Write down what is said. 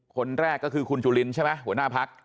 คนแรกก็คือคุณจุลินใช่ไหมหัวหน้าพัก